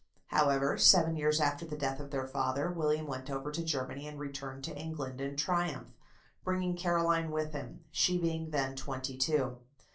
However, seven years after the death of their father, William went over to Germany and returned to England in triumph, bringing Caroline with him: she being then twenty two.